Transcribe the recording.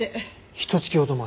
ひと月ほど前？